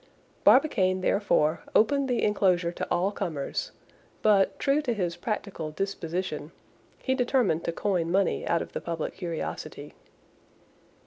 Barbicane, therefore, opened the enclosure to all comers; but, true to his practical disposition, he determined to coin money out of the public curiosity.